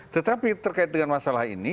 tetapi terkait dengan masalah ini